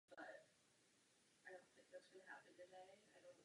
Poškozený hrad poté už nebyl obnoven.